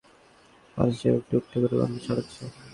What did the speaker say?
গরম তেলে নাড়তে থাকা কষানো মাংস থেকে একটু একটু করে গন্ধ ছড়াচ্ছে।